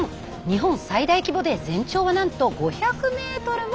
日本最大規模で全長はなんと５００ｍもあるんです。